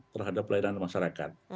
terhadap pelayanan masyarakat